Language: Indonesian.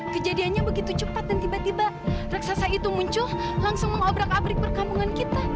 kejadiannya begitu cepat dan tiba tiba raksasa itu muncul langsung mengobrak abrik perkampungan kita